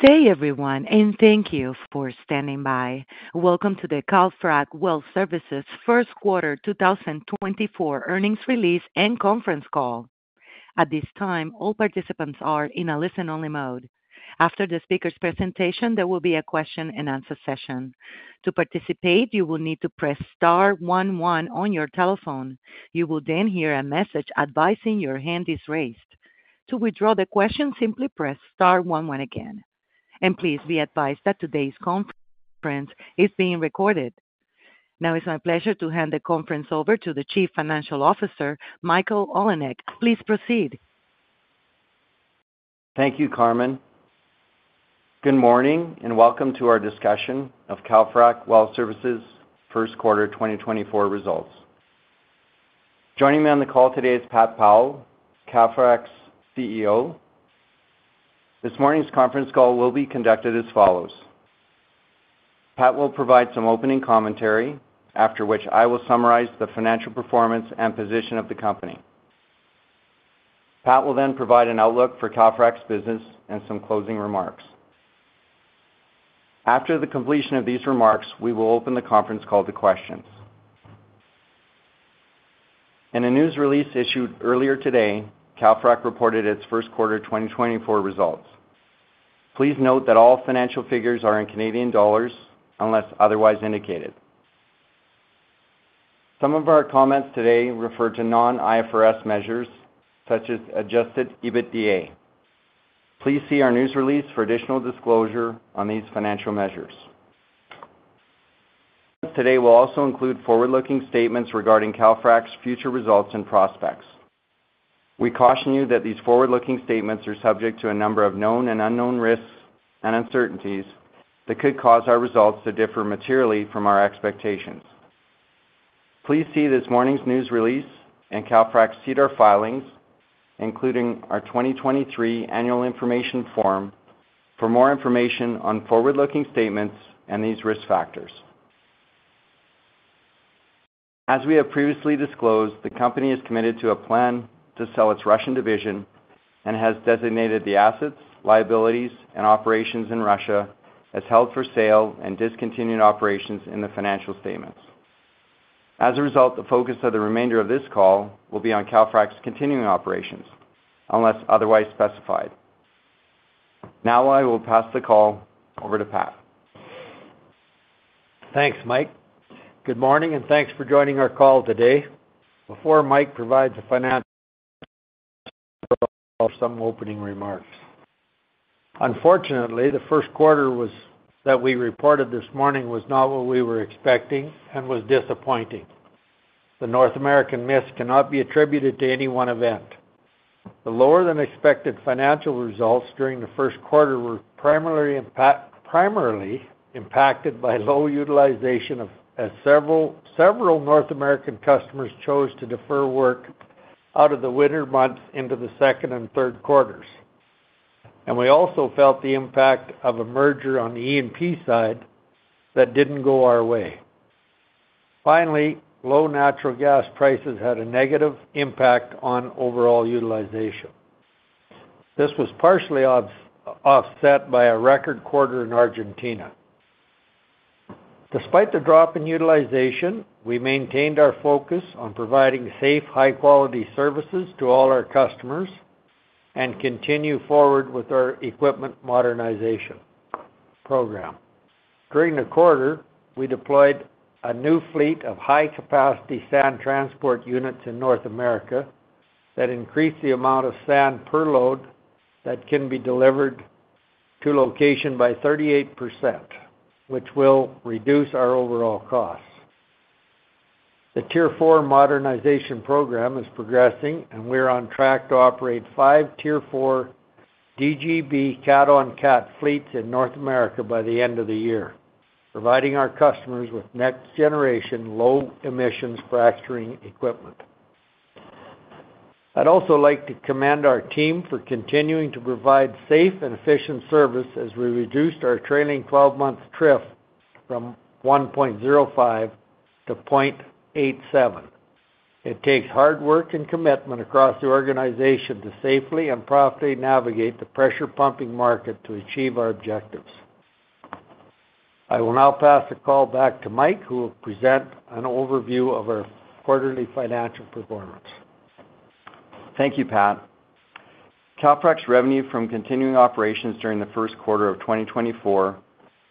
Good day everyone, and thank you for standing by. Welcome to the Calfrac Well Services Q1 2024 Earnings Release and Conference Call. At this time, all participants are in a listen-only mode. After the speaker's presentation, there will be a question-and-answer session. To participate, you will need to press star 11 on your telephone. You will then hear a message advising your hand is raised. To withdraw the question, simply press star 11 again. And please be advised that today's conference is being recorded. Now it's my pleasure to hand the conference over to the Chief Financial Officer, Michael Olinek. Please proceed. Thank you, Carmen. Good morning and welcome to our discussion of Calfrac Well Services Q1 2024 results. Joining me on the call today is Pat Powell, Calfrac's CEO. This morning's conference call will be conducted as follows. Pat will provide some opening commentary, after which I will summarize the financial performance and position of the company. Pat will then provide an outlook for Calfrac's business and some closing remarks. After the completion of these remarks, we will open the conference call to questions. In a news release issued earlier today, Calfrac reported its Q1 2024 results. Please note that all financial figures are in Canadian dollars unless otherwise indicated. Some of our comments today refer to non-IFRS measures such as Adjusted EBITDA. Please see our news release for additional disclosure on these financial measures. Today will also include forward-looking statements regarding Calfrac's future results and prospects. We caution you that these forward-looking statements are subject to a number of known and unknown risks and uncertainties that could cause our results to differ materially from our expectations. Please see this morning's news release and Calfrac's SEDAR filings, including our 2023 annual information form, for more information on forward-looking statements and these risk factors. As we have previously disclosed, the company is committed to a plan to sell its Russian division and has designated the assets, liabilities, and operations in Russia as held for sale and discontinued operations in the financial statements. As a result, the focus of the remainder of this call will be on Calfrac's continuing operations, unless otherwise specified. Now I will pass the call over to Pat. Thanks, Mike. Good morning and thanks for joining our call today. Before Mike provides a financial statement, I will offer some opening remarks. Unfortunately, the Q1 that we reported this morning was not what we were expecting and was disappointing. The North American miss cannot be attributed to any one event. The lower-than-expected financial results during the Q1 were primarily impacted by low utilization as several North American customers chose to defer work out of the winter months into the Q2 and Q3. We also felt the impact of a merger on the E&P side that didn't go our way. Finally, low natural gas prices had a negative impact on overall utilization. This was partially offset by a record quarter in Argentina. Despite the drop in utilization, we maintained our focus on providing safe, high-quality services to all our customers and continue forward with our equipment modernization program. During the quarter, we deployed a new fleet of high-capacity sand transport units in North America that increased the amount of sand per load that can be delivered to location by 38%, which will reduce our overall costs. The Tier 4 modernization program is progressing, and we're on track to operate five Tier 4 DGB Cat-on-Cat fleets in North America by the end of the year, providing our customers with next-generation low-emissions fracturing equipment. I'd also like to commend our team for continuing to provide safe and efficient service as we reduced our trailing 12-month TRIF from 1.05-0.87. It takes hard work and commitment across the organization to safely and profitably navigate the pressure-pumping market to achieve our objectives. I will now pass the call back to Mike, who will present an overview of our quarterly financial performance. Thank you, Pat. Calfrac's revenue from continuing operations during the Q1 of 2024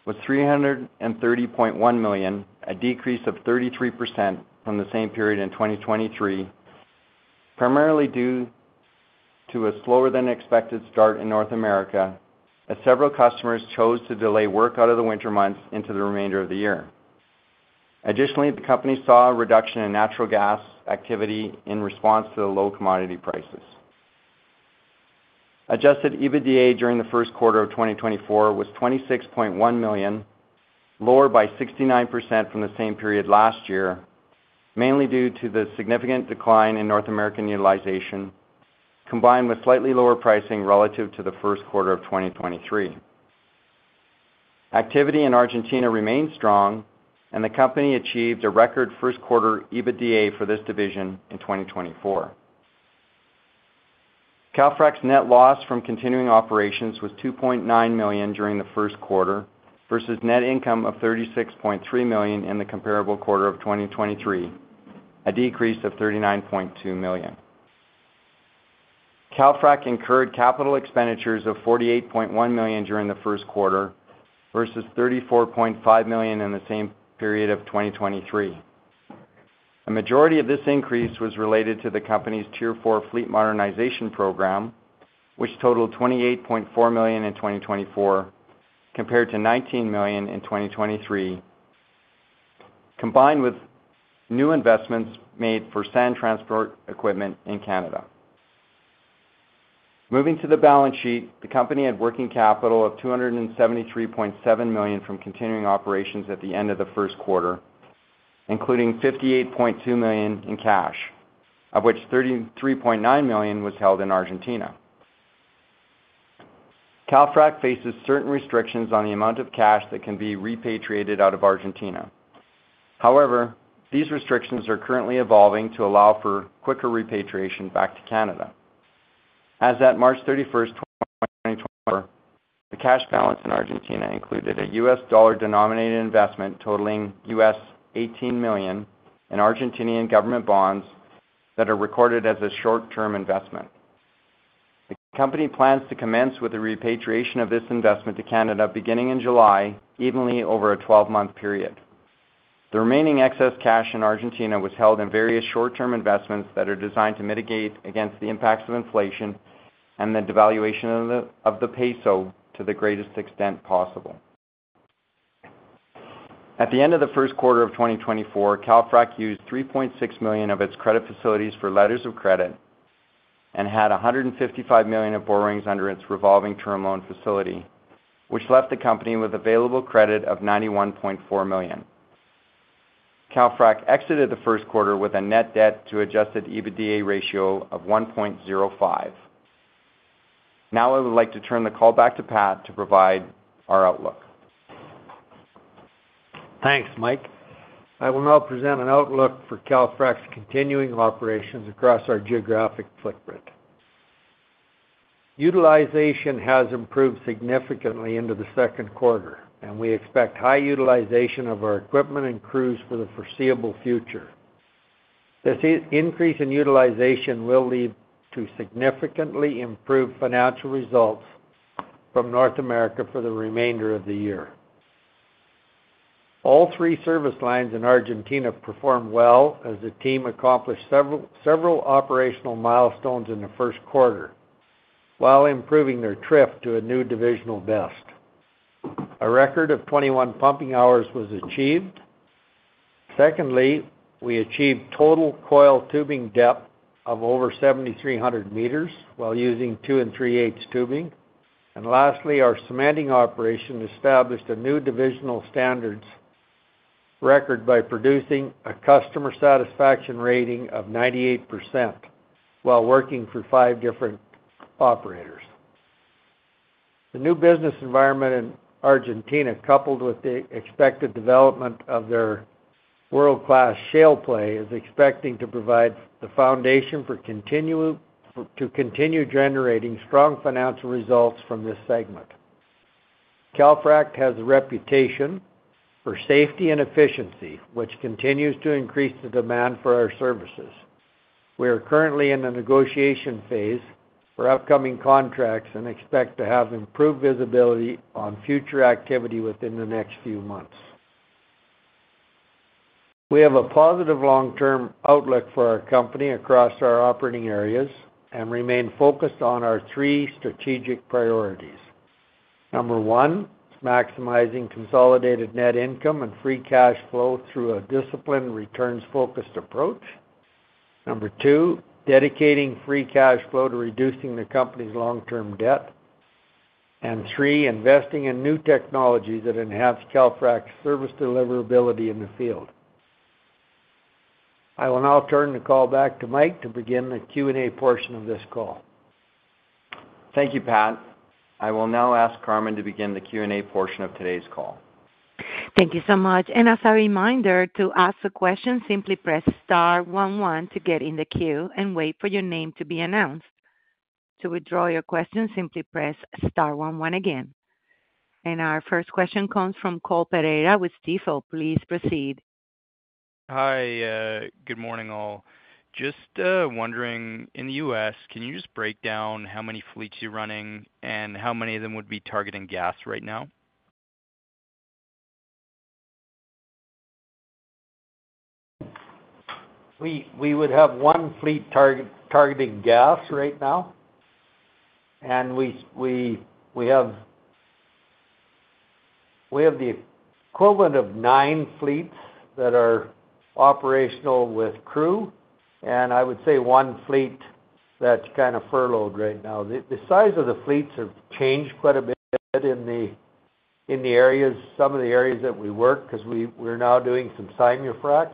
was 330.1 million, a decrease of 33% from the same period in 2023, primarily due to a slower-than-expected start in North America as several customers chose to delay work out of the winter months into the remainder of the year. Additionally, the company saw a reduction in natural gas activity in response to the low commodity prices. Adjusted EBITDA during the Q1 of 2024 was 26.1 million, lower by 69% from the same period last year, mainly due to the significant decline in North American utilization combined with slightly lower pricing relative to the Q1 of 2023. Activity in Argentina remained strong, and the company achieved a record Q1 EBITDA for this division in 2024. Calfrac's net loss from continuing operations was 2.9 million during the Q1 versus net income of 36.3 million in the comparable quarter of 2023, a decrease of 39.2 million. Calfrac incurred capital expenditures of 48.1 million during the Q1 versus 34.5 million in the same period of 2023. A majority of this increase was related to the company's Tier 4 fleet modernization program, which totaled 28.4 million in 2024 compared to 19 million in 2023, combined with new investments made for sand transport equipment in Canada. Moving to the balance sheet, the company had working capital of 273.7 million from continuing operations at the end of the Q1, including 58.2 million in cash, of which 33.9 million was held in Argentina. Calfrac faces certain restrictions on the amount of cash that can be repatriated out of Argentina. However, these restrictions are currently evolving to allow for quicker repatriation back to Canada. As of March 31, 2024, the cash balance in Argentina included a U.S. dollar-denominated investment totaling $18 million in Argentine government bonds that are recorded as a short-term investment. The company plans to commence with the repatriation of this investment to Canada beginning in July, evenly over a 12-month period. The remaining excess cash in Argentina was held in various short-term investments that are designed to mitigate against the impacts of inflation and the devaluation of the peso to the greatest extent possible. At the end of the Q1 of 2024, Calfrac used 3.6 million of its credit facilities for letters of credit and had 155 million of borrowings under its revolving term loan facility, which left the company with available credit of 91.4 million. Calfrac exited the Q1 with a net debt to Adjusted EBITDA ratio of 1.05. Now I would like to turn the call back to Pat to provide our outlook. Thanks, Mike. I will now present an outlook for Calfrac's continuing operations across our geographic footprint. Utilization has improved significantly into the Q2, and we expect high utilization of our equipment and crews for the foreseeable future. This increase in utilization will lead to significantly improved financial results from North America for the remainder of the year. All three service lines in Argentina performed well as the team accomplished several operational milestones in the Q1 while improving their trip to a new divisional best. A record of 21 pumping hours was achieved. Secondly, we achieved total coiled tubing depth of over 7,300 meters while using 2-3/8 tubing. And lastly, our cementing operation established a new divisional standards record by producing a customer satisfaction rating of 98% while working for five different operators. The new business environment in Argentina, coupled with the expected development of their world-class shale play, is expected to provide the foundation to continue generating strong financial results from this segment. Calfrac has a reputation for safety and efficiency, which continues to increase the demand for our services. We are currently in a negotiation phase for upcoming contracts and expect to have improved visibility on future activity within the next few months. We have a positive long-term outlook for our company across our operating areas and remain focused on our three strategic priorities. Number one, maximizing consolidated net income and free cash flow through a disciplined returns-focused approach. Number two, dedicating free cash flow to reducing the company's long-term debt. And three, investing in new technologies that enhance Calfrac's service deliverability in the field. I will now turn the call back to Mike to begin the Q&A portion of this call. Thank you, Pat. I will now ask Carmen to begin the Q&A portion of today's call. Thank you so much. As a reminder, to ask a question, simply press star 11 to get in the queue and wait for your name to be announced. To withdraw your question, simply press star 11 again. Our first question comes from Cole Pereira with Stifel. Please proceed. Hi. Good morning, all. Just wondering, in the U.S., can you just break down how many fleets you're running and how many of them would be targeting gas right now? We would have one fleet targeting gas right now. We have the equivalent of nine fleets that are operational with crew, and I would say one fleet that's kind of furloughed right now. The size of the fleets have changed quite a bit in the areas, some of the areas that we work because we're now doing some Simul-Frac.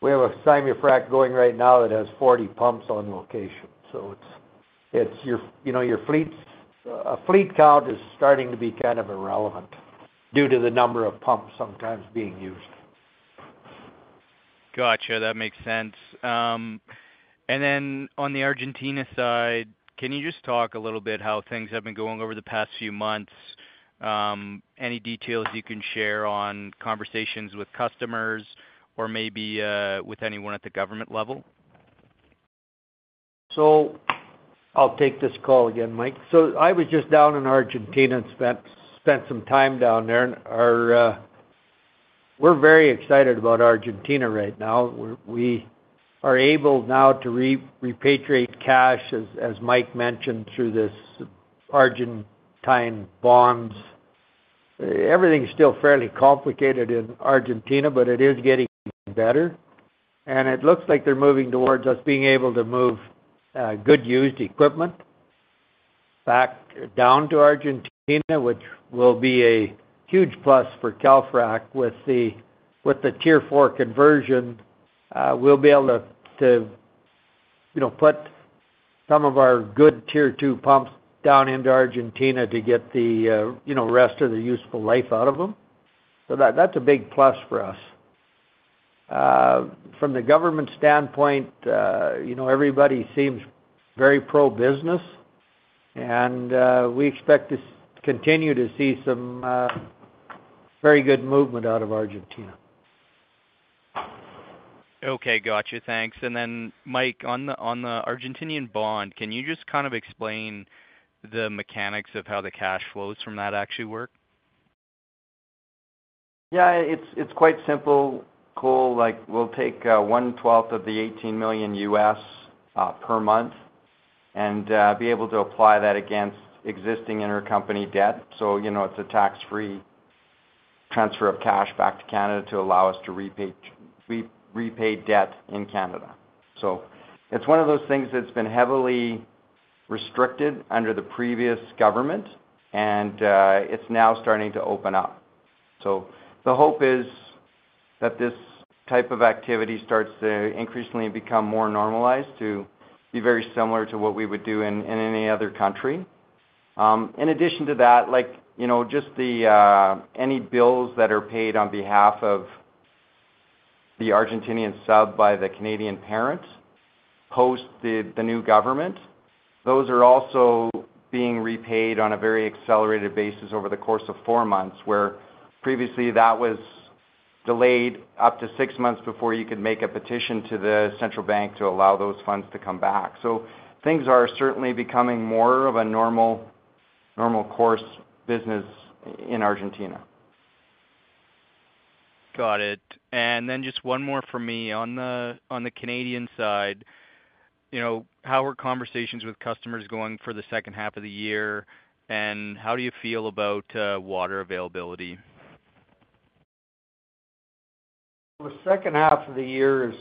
We have a Simul-Frac going right now that has 40 pumps on location. So your fleet count is starting to be kind of irrelevant due to the number of pumps sometimes being used. Gotcha. That makes sense. And then on the Argentina side, can you just talk a little bit how things have been going over the past few months? Any details you can share on conversations with customers or maybe with anyone at the government level? I'll take this call again, Mike. I was just down in Argentina and spent some time down there. We're very excited about Argentina right now. We are able now to repatriate cash, as Mike mentioned, through these Argentine bonds. Everything's still fairly complicated in Argentina, but it is getting better. It looks like they're moving towards us being able to move good used equipment back down to Argentina, which will be a huge plus for Calfrac. With the Tier 4 conversion, we'll be able to put some of our good Tier 2 pumps down into Argentina to get the rest of the useful life out of them. That's a big plus for us. From the government standpoint, everybody seems very pro-business, and we expect to continue to see some very good movement out of Argentina. Okay. Gotcha. Thanks. And then, Mike, on the Argentine bond, can you just kind of explain the mechanics of how the cash flows from that actually work? Yeah. It's quite simple, Cole. We'll take 1/12th of the $18 million per month and be able to apply that against existing intercompany debt. So it's a tax-free transfer of cash back to Canada to allow us to repay debt in Canada. So it's one of those things that's been heavily restricted under the previous government, and it's now starting to open up. So the hope is that this type of activity starts to increasingly become more normalized to be very similar to what we would do in any other country. In addition to that, just any bills that are paid on behalf of the Argentine sub by the Canadian parents post the new government, those are also being repaid on a very accelerated basis over the course of four months, where previously, that was delayed up to six months before you could make a petition to the central bank to allow those funds to come back. So things are certainly becoming more of a normal course business in Argentina. Got it. Then just one more for me on the Canadian side. How are conversations with customers going for the second half of the year, and how do you feel about water availability? The second half of the year,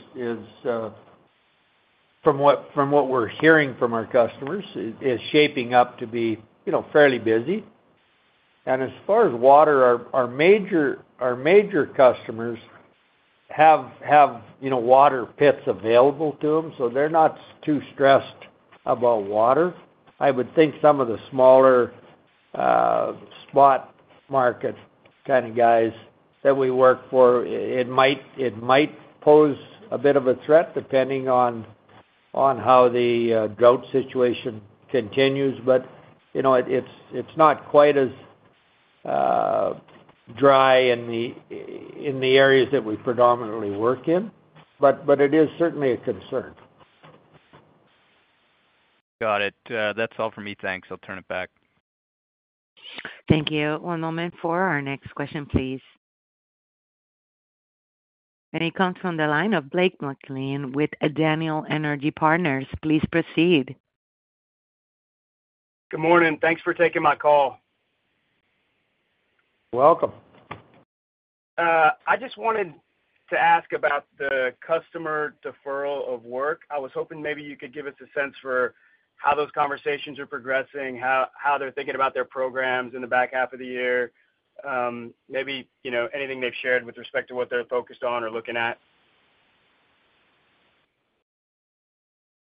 from what we're hearing from our customers, is shaping up to be fairly busy. As far as water, our major customers have water pits available to them, so they're not too stressed about water. I would think some of the smaller spot market kind of guys that we work for, it might pose a bit of a threat depending on how the drought situation continues. It's not quite as dry in the areas that we predominantly work in, but it is certainly a concern. Got it. That's all for me. Thanks. I'll turn it back. Thank you. One moment for our next question, please. It comes from the line of Blake McLean with Daniel Energy Partners. Please proceed. Good morning. Thanks for taking my call. Welcome. I just wanted to ask about the customer deferral of work. I was hoping maybe you could give us a sense for how those conversations are progressing, how they're thinking about their programs in the back half of the year, maybe anything they've shared with respect to what they're focused on or looking at.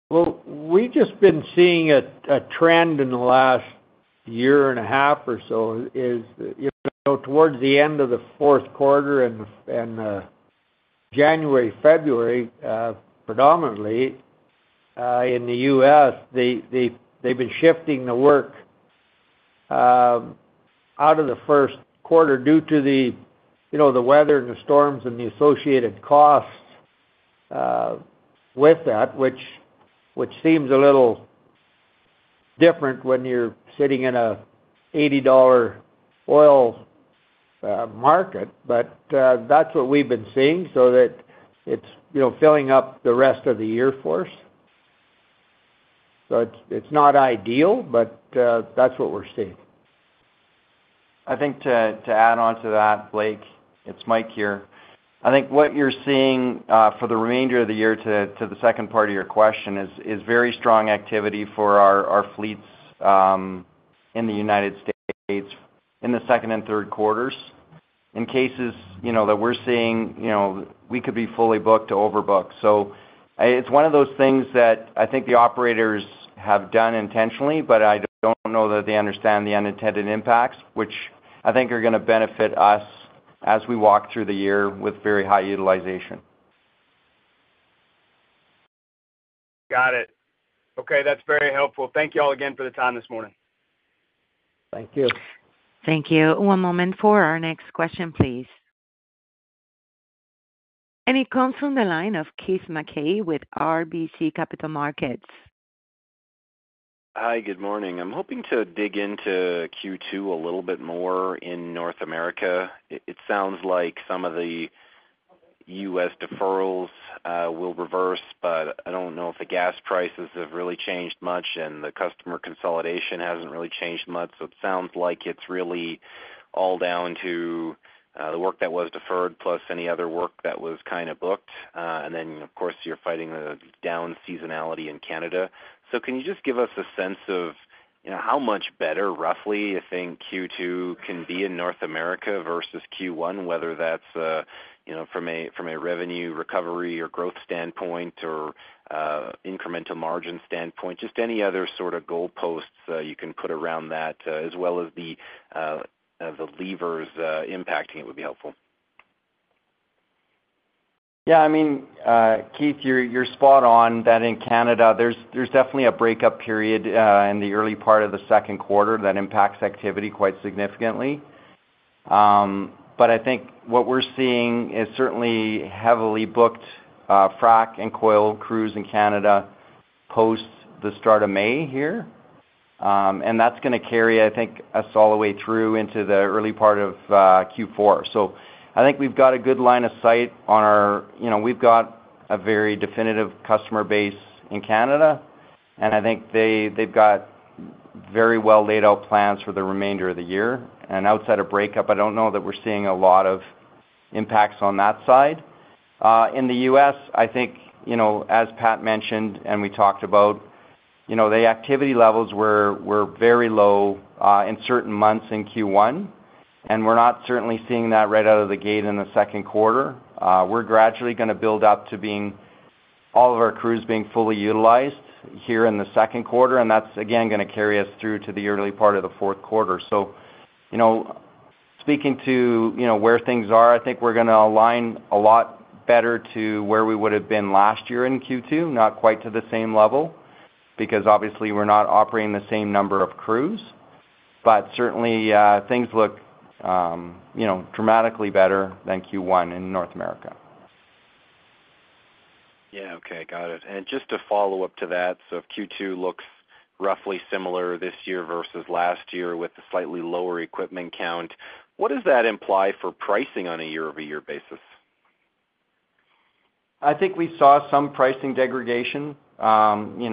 Well, we've just been seeing a trend in the last year and a half or so is that towards the end of the Q4 and January, February, predominantly in the U.S., they've been shifting the work out of the Q1 due to the weather and the storms and the associated costs with that, which seems a little different when you're sitting in an $80 oil market. But that's what we've been seeing, so that it's filling up the rest of the year for us. So it's not ideal, but that's what we're seeing. I think to add on to that, Blake, it's Mike here. I think what you're seeing for the remainder of the year to the second part of your question is very strong activity for our fleets in the United States in the Q2 and Q3. In cases that we're seeing, we could be fully booked to overbook. So it's one of those things that I think the operators have done intentionally, but I don't know that they understand the unintended impacts, which I think are going to benefit us as we walk through the year with very high utilization. Got it. Okay. That's very helpful. Thank you all again for the time this morning. Thank you. Thank you. One moment for our next question, please. It comes from the line of Keith Mackey with RBC Capital Markets. Hi. Good morning. I'm hoping to dig into Q2 a little bit more in North America. It sounds like some of the U.S. deferrals will reverse, but I don't know if the gas prices have really changed much and the customer consolidation hasn't really changed much. So it sounds like it's really all down to the work that was deferred plus any other work that was kind of booked. And then, of course, you're fighting the down seasonality in Canada. So can you just give us a sense of how much better, roughly, you think Q2 can be in North America versus Q1, whether that's from a revenue recovery or growth standpoint or incremental margin standpoint, just any other sort of goalposts you can put around that as well as the levers impacting it would be helpful. Yeah. I mean, Keith, you're spot on that in Canada, there's definitely a breakup period in the early part of the Q2 that impacts activity quite significantly. But I think what we're seeing is certainly heavily booked frac and coil crews in Canada post the start of May here. And that's going to carry, I think, us all the way through into the early part of Q4. So I think we've got a good line of sight. We've got a very definitive customer base in Canada, and I think they've got very well laid out plans for the remainder of the year. And outside of breakup, I don't know that we're seeing a lot of impacts on that side. In the U.S., I think, as Pat mentioned and we talked about, the activity levels were very low in certain months in Q1, and we're not certainly seeing that right out of the gate in the Q2. We're gradually going to build up to all of our crews being fully utilized here in the Q2, and that's, again, going to carry us through to the early part of the Q4. So speaking to where things are, I think we're going to align a lot better to where we would have been last year in Q2, not quite to the same level because, obviously, we're not operating the same number of crews. But certainly, things look dramatically better than Q1 in North America. Yeah. Okay. Got it. And just to follow up to that, so Q2 looks roughly similar this year versus last year with a slightly lower equipment count. What does that imply for pricing on a year-over-year basis? I think we saw some pricing degradation in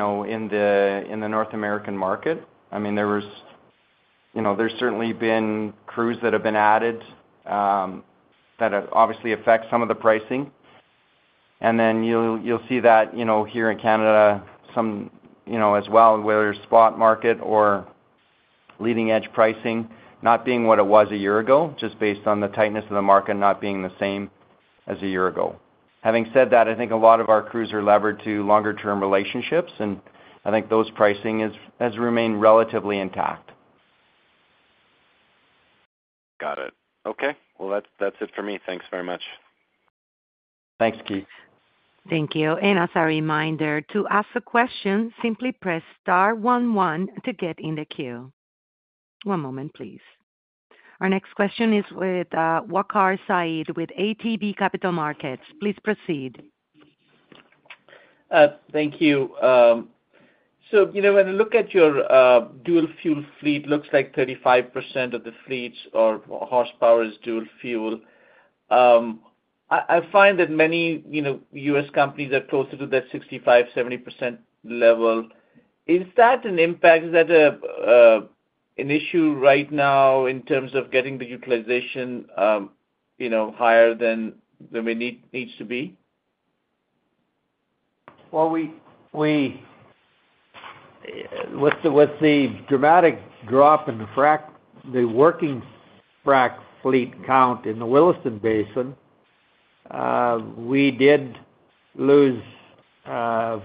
the North American market. I mean, there's certainly been crews that have been added that obviously affect some of the pricing. And then you'll see that here in Canada as well, whether it's spot market or leading-edge pricing, not being what it was a year ago, just based on the tightness of the market not being the same as a year ago. Having said that, I think a lot of our crews are levered to longer-term relationships, and I think those pricing has remained relatively intact. Got it. Okay. Well, that's it for me. Thanks very much. Thanks, Keith. Thank you. And as a reminder, to ask a question, simply press star 11 to get in the queue. One moment, please. Our next question is with Waqar Syed with ATB Capital Markets. Please proceed. Thank you. So when I look at your dual-fuel fleet, it looks like 35% of the fleets are horsepowers dual fuel. I find that many U.S. companies are closer to that 65%-70% level. Is that an impact? Is that an issue right now in terms of getting the utilization higher than it needs to be? Well, with the dramatic drop in the working frac fleet count in the Williston Basin, we did lose a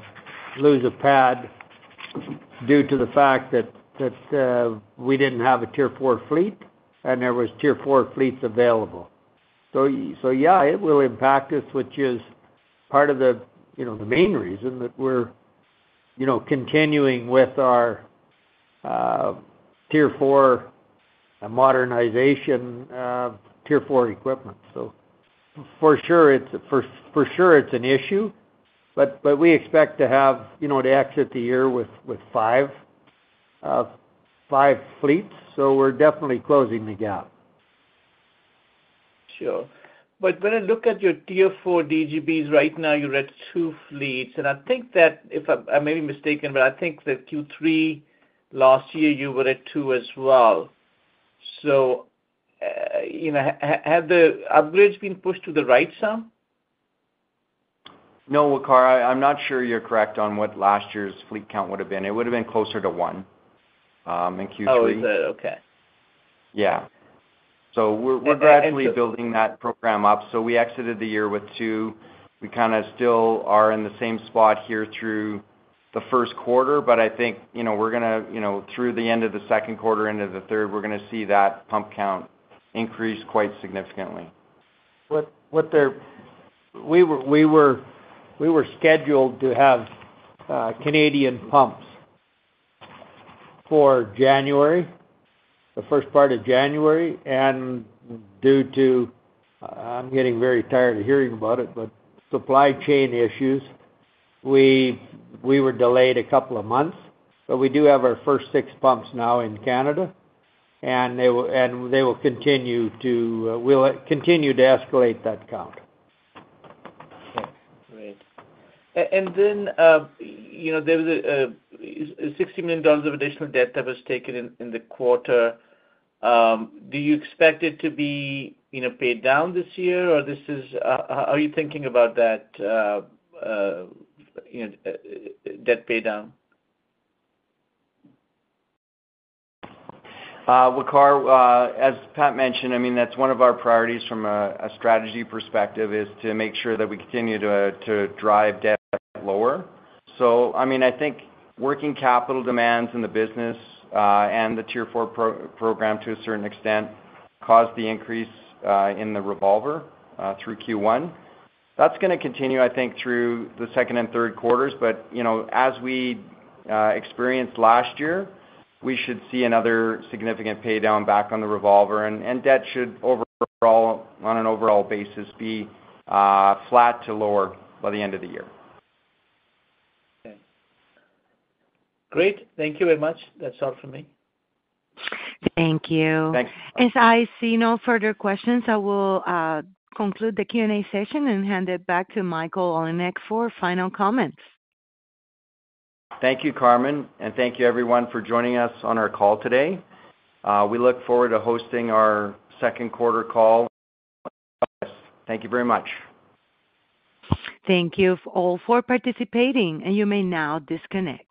pad due to the fact that we didn't have a Tier 4 fleet, and there were Tier 4 fleets available. So yeah, it will impact us, which is part of the main reason that we're continuing with our Tier 4 modernization, Tier 4 equipment. So for sure, it's an issue, but we expect to exit the year with five fleets. So we're definitely closing the gap. Sure. But when I look at your Tier 4 DGBs right now, you're at two fleets. And I think that if I'm maybe mistaken, but I think that Q3 last year, you were at two as well. So have the upgrades been pushed to the right some? No, Waqar. I'm not sure you're correct on what last year's fleet count would have been. It would have been closer to one in Q3. Oh, is it? Okay. Yeah. So we're gradually building that program up. So we exited the year with two. We kind of still are in the same spot here through the Q1, but I think we're going to, through the end of the Q2, end of the Q3, we're going to see that pump count increase quite significantly. We were scheduled to have Canadian pumps for January, the first part of January. And due to—I'm getting very tired of hearing about it, but—supply chain issues, we were delayed a couple of months. But we do have our first six pumps now in Canada, and they will continue to—we'll continue to escalate that count. Okay. Great. And then there was a $60 million of additional debt that was taken in the quarter. Do you expect it to be paid down this year, or are you thinking about that debt paydown? Waqar, as Pat mentioned, I mean, that's one of our priorities from a strategy perspective is to make sure that we continue to drive debt lower. So I mean, I think working capital demands in the business and the Tier 4 program to a certain extent caused the increase in the revolver through Q1. That's going to continue, I think, through the Q2 and Q3. But as we experienced last year, we should see another significant paydown back on the revolver, and debt should, on an overall basis, be flat to lower by the end of the year. Okay. Great. Thank you very much. That's all from me. Thank you. Thanks. As I see no further questions, I will conclude the Q&A session and hand it back to Michael Olinek for final comments. Thank you, Carmen. Thank you, everyone, for joining us on our call today. We look forward to hosting our Q2 Call. Thank you very much. Thank you all for participating, and you may now disconnect.